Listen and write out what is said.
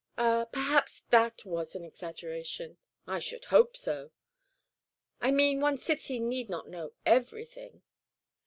"Ah, perhaps that was an exaggeration." "I should hope so." "I meant one's city need not know everything."